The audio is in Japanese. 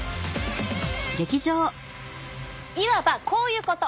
いわばこういうこと！